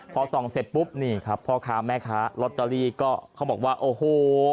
พอส่องเสร็จปุ๊บนี่ครับพ่อค้าแม่ค้าลอตเตอรี่ก็เขาบอกว่าโอ้โห